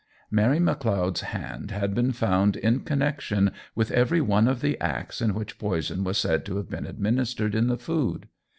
Mary M'Leod's hand had been found in connexion with every one of the acts in which poison was said to have been administered in the food.